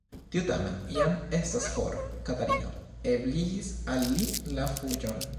Tiu tamen jam estas for: Katarino ebligis al li la fuĝon.